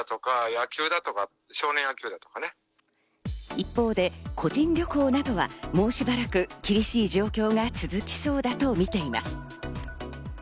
一方で個人旅行などは、もうしばらく厳しい状況が続きそうだとみています。